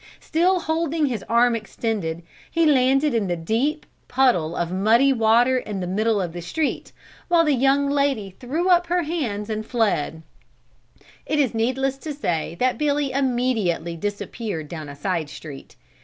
Still holding his arm extended, he landed in the deep puddle of muddy water in the middle of the street, while the young lady threw up her hands and fled. It is needless to say that Billy immediately disappeared down a side street.